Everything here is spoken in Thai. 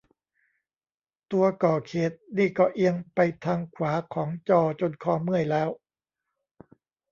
ตัวก่อเขตนี่ก็เอียงไปทางขวาของจอจนคอเมื่อยแล้ว